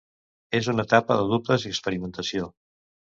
És una etapa de dubtes i experimentació.